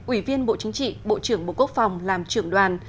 ủy viên bộ chính trị bộ trưởng bộ quốc phòng làm trưởng đoàn